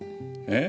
え？